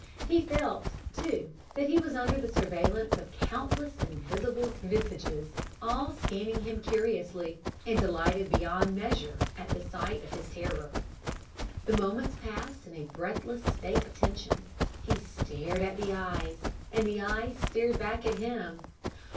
He felt, too, that he was under the surveillance of countless invisible visages, all scanning him curiously, and delighted beyond measure at the sight of his terror. "The moments passed in a breathless state of tension. He stared at the eyes, and the eyes stared back at him.